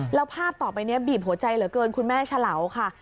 แล้วภาพต่อไปนี้บีบหัวใจเหลือเกินคุณแม่เฉลาค่ะ